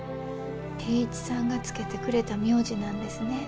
定一さんが付けてくれた名字なんですね。